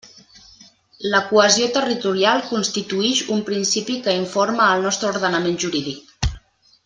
La cohesió territorial constituïx un principi que informa el nostre ordenament jurídic.